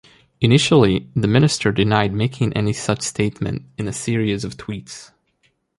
Initially the minister denied making any such statement in a series of tweets.